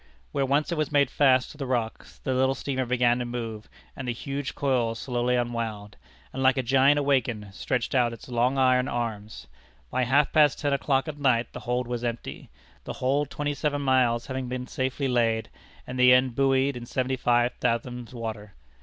When once it was made fast to the rocks, the little steamer began to move, and the huge coil slowly unwound, and like a giant awakened, stretched out its long iron arms. By half past ten o'clock at night the hold was empty, the whole twenty seven miles having been safely laid, and the end buoyed in seventy five fathoms water.